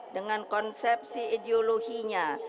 dengan konsepsi ideologinya